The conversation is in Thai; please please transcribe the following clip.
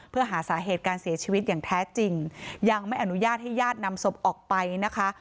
เพื่อหาสาเหตุการเสียชีวิตอย่างแท้จริงยังไม่อนุญาตให้ญาตินำศพออกไปนะคะ